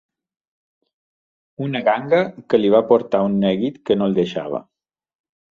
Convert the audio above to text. Una ganga que li va portar un neguit que no el deixava